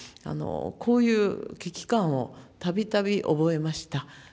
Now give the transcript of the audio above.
こういう危機感をたびたび覚えました。